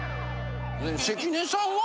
関根さんは？